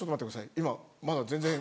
今まだ全然」。